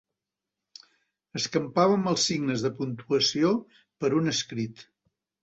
Escampàvem els signes de puntuació per un escrit.